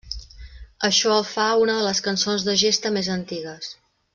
Això el fa una de les cançons de gesta més antigues.